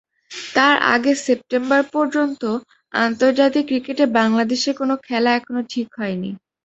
তার আগে সেপ্টেম্বর পর্যন্ত আন্তর্জাতিক ক্রিকেটে বাংলাদেশের কোনো খেলা এখনো ঠিক হয়নি।